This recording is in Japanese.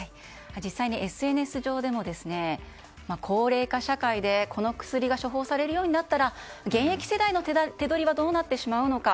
実際にＳＮＳ上では高齢化社会でこの薬が処方されるようになったら現役世代の手取りはどうなってしまうのか。